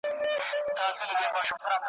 هغه اولس به اخته په ویر وي `